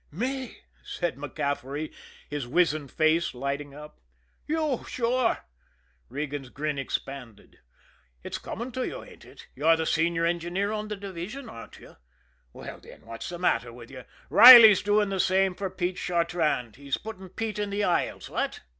"Me!" said MacCaffery, his wizened face lighting up. "You sure!" Regan's grin expanded. "It's coming to you, ain't it? You're the senior engineer on the division, ain't you? Well, then, what's the matter with you? Riley's doing the same for Pete Chartrand he's putting Pete in the aisles. What?"